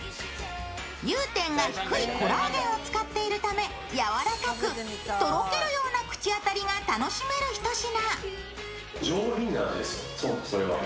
融点が低いコラーゲンを使っているためやわらかく、とろけるような口当たりが楽しめる一品。